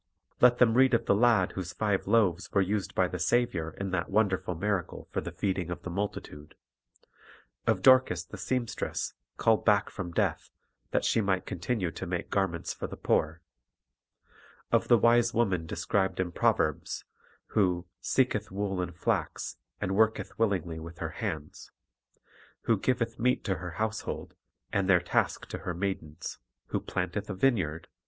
Let them read of the lad whose five loaves were used by the Saviour in that wonderful miracle for the feeding of the multitude; of Dorcas the seam stress, called back from death, that she might continue to make garments for the poor; of the wise woman de scribed in the Proverbs, who "seeketh wool and flax, and worketh willingly with her hands;" who "giveth meat to her household, and their task to her maidens;" who "planteth a vineyard